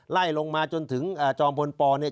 ไล่ลงมาจนถึงจอมพลปเนี่ย